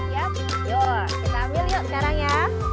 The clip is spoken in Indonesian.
yuk kita ambil yuk sekarang ya